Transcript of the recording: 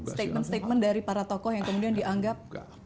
statement statement dari para tokoh yang kemudian dianggap